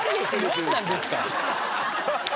何なんですか